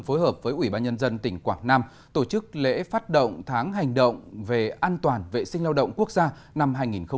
phối hợp với ủy ban nhân dân tỉnh quảng nam tổ chức lễ phát động tháng hành động về an toàn vệ sinh lao động quốc gia năm hai nghìn hai mươi